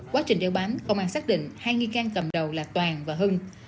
quá trình đeo bám công an xác định hai nghi can cầm đầu là toàn và hưng